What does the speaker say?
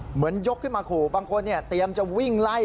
ยกขึ้นมาขู่บางคนเตรียมจะวิ่งไล่